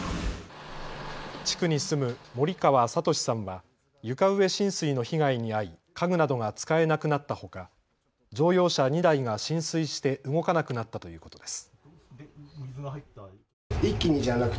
地区に住む森川哲さんは床上浸水の被害に遭い家具などが使えなくなったほか乗用車２台が浸水して動かなくなったということです。